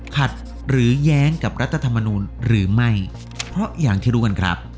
ขัดหรือแย้งกับรัฐธรรมนูลหรือไม่เพราะอย่างที่รู้กันครับ